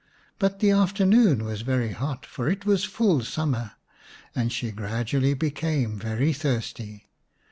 But the afternoon was very hot, for it was full summer, and she gradually became very thirsty.